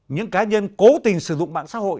những cá nhân cố tình sử dụng mạng xã hội